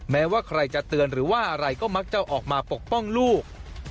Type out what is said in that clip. แม้ว่าใครจะเตือนหรือว่าอะไรก็มักจะออกมาปกป้องลูก